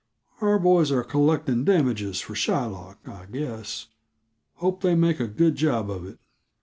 Our boys are collecting damages for Shylock, I guess; hope they make a good job of it."